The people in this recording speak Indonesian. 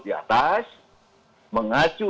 di atas mengacu